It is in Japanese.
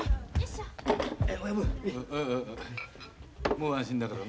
もう安心だからな。